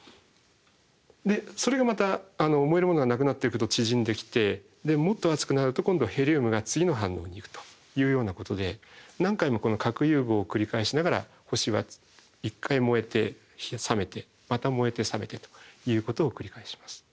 それがまた燃えるものがなくなっていくと縮んできてもっと熱くなると今度はヘリウムが次の反応にいくというようなことで何回もこの核融合を繰り返しながら星は一回燃えて冷めてまた燃えて冷めてということを繰り返します。